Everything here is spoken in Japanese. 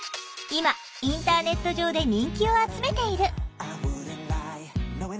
今インターネット上で人気を集めている。